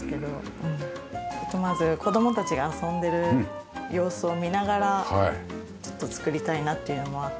まず子供たちが遊んでる様子を見ながらちょっと作りたいなっていうのもあって。